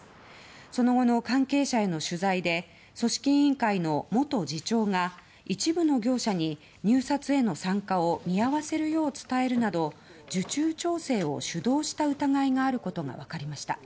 その後の関係者への取材で組織委員会の元次長が一部の業者に入札への参加を見合わせるよう伝えるなど受注調整を主導した疑いがあることがわかりました。